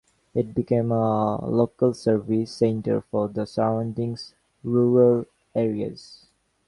It became a local service centre for the surrounding rural areas.